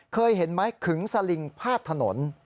เคยเห็นไหมขึงสลิงพาดถนน